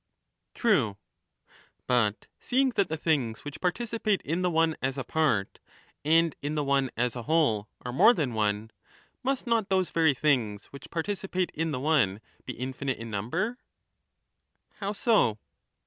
True. But, seeing that the things which participate in the one as a part, and in the one as a whole, are more than one, must not those very things which participate in the one be infinite in number? How so?